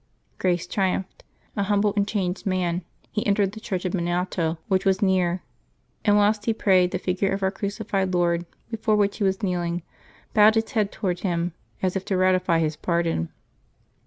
Grace triumphed. A humble and changed man, he entered the Church of St. Miniato, which was near ; and whilst he prayed, the figure of our crucified Lord, before which he was kneeling, bowed its head toward him as if to ratify his pardon.